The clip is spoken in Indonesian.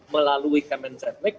melalui kemen zetnek